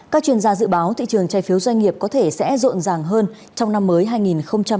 các chuyên gia dự báo thị trường trái phiếu doanh nghiệp có thể sẽ rộn ràng hơn trong năm mới hai nghìn hai mươi